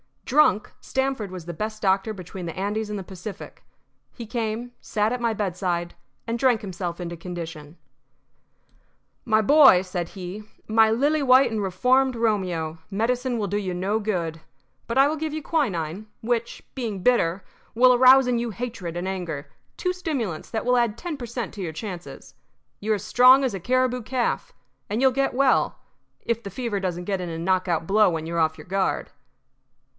Drunk, Stamford was the best doctor between the Andes and the Pacific. He came, sat at my bedside, and drank himself into condition. "My boy," said he, "my lily white and reformed Romeo, medicine will do you no good. But I will give you quinine, which, being bitter, will arouse in you hatred and anger two stimulants that will add ten per cent. to your chances. You are as strong as a caribou calf, and you will get well if the fever doesn't get in a knockout blow when you're off your guard."